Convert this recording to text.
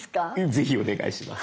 ぜひお願いします。